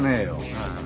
ああ。